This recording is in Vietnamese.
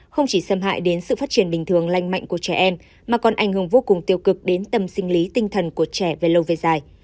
không chỉ xâm hại đến sự phát triển bình thường lanh mạnh của trẻ em mà còn ảnh hưởng vô cùng tiêu cực đến tâm sinh lý tinh thần của trẻ về lâu về dài